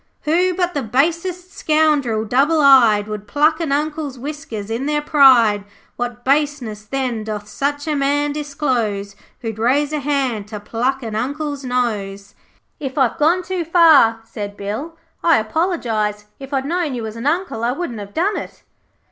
'Who but the basest scoundrel, double eyed, Would pluck an Uncle's whiskers in their pride, What baseness, then, doth such a man disclose Who'd raise a hand to pluck an Uncle's nose?' 'If I've gone too far,' said Bill, 'I apologize. If I'd known you was an Uncle I wouldn't have done it.'